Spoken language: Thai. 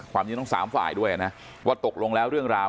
ความจริงต้อง๓ฝ่ายด้วยนะว่าตกลงแล้วเรื่องราว